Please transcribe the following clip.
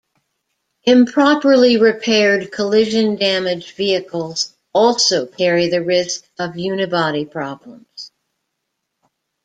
Improperly repaired collision-damage vehicles also carry the risk of unibody problems.